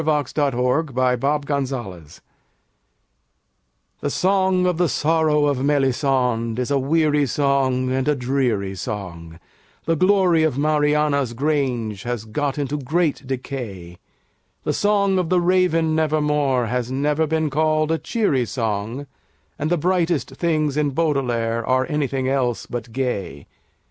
The Song Against Songs The song of the sorrow of Melisande is a weary song and a dreary song, The glory of Mariana's grange had got into great decay, The song of the Raven Never More has never been called a cheery song, And the brightest things in Baudelaire are anything else but gay.